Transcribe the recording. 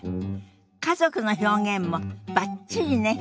家族の表現もバッチリね。